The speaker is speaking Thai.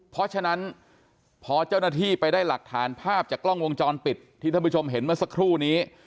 เพราะฉะนั้นพอเจ้าหน้าที่ไปได้หลักฐานภาพจากกล้องวงจรปิดที่ท่านผู้ชมเห็นเมื่อสักครู่นี้